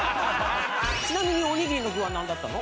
ちなみにおにぎりの具はなんだったの？